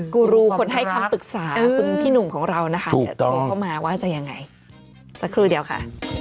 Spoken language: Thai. กูรูคนให้คำปรึกษาคุณพี่หนุ่มของเรานะคะโทรเข้ามาว่าจะยังไงสักครู่เดียวค่ะ